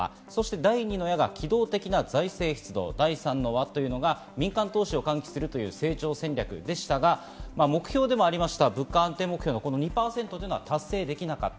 第２の矢が機動的な財政出動、第３の矢というのが民間投資を喚起するという成長戦略でしたが、目標でもありました、物価安定目標２％は達成できなかった。